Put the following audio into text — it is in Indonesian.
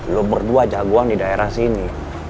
lo berdua jagung di daerah sini